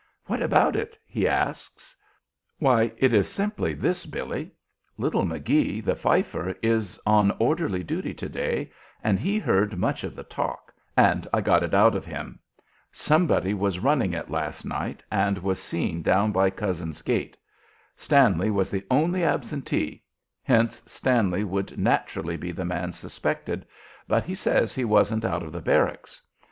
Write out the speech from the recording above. "What about it?" he asks. "Why, it's simply this, Billy: Little Magee, the fifer, is on orderly duty to day, and he heard much of the talk, and I got it out of him. Somebody was running it last night, and was seen down by Cozzens's gate. Stanley was the only absentee, hence Stanley would naturally be the man suspected, but he says he wasn't out of the barracks.